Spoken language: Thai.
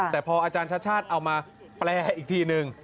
แต่พออาจารย์ชาติชาติเอามาแปลอีกทีนึง